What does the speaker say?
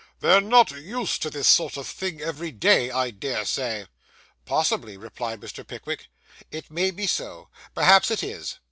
'They're not used to see this sort of thing, every day, I dare say.' 'Possibly,' replied Mr. Pickwick. 'It may be so. Perhaps it is.